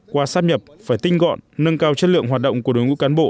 qua sắp nhập phải tinh gọn nâng cao chất lượng hoạt động của đối ngũ cán bộ